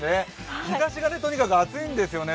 日ざしがとにかく暑いんですよね。